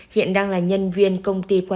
hiện đang là nhân viên công an quận hoàn kiếm hà nội